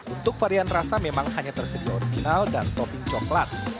untuk varian rasa memang hanya tersedia original dan topping coklat